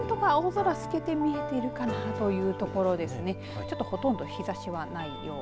何とか青空、透けて見えているかなというところですね。